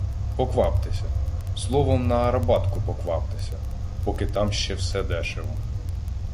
Покваптеся, словом, на Арабатку, покваптеся, поки там ще все дешево